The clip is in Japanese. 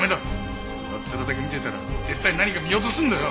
上っ面だけ見てたら絶対に何か見落とすんだよ！